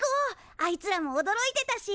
あいつらもおどろいてたし。